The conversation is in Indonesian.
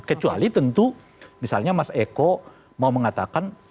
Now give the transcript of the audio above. kecuali tentu misalnya mas eko mau mengatakan